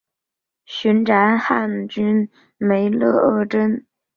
寻擢汉军梅勒额真。